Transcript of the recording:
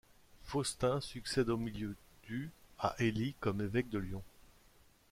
Faustin succède au milieu du à Hélie comme évêque de Lyon.